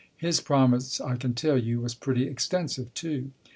His province, I can tell you, was pretty extensive, too.